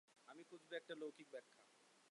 আমি খুঁজব একটা লৌকিক ব্যাখ্যা।